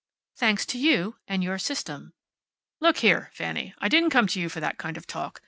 "Thanks to you and your system." "Look here, Fanny. I didn't come to you for that kind of talk.